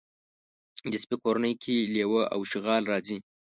د سپي کورنۍ کې لېوه او شغالان راځي.